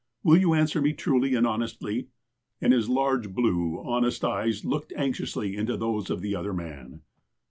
Will you answer me truly and honestly 1 " And his large blue, honest eyes looked anxiously into those of the other man.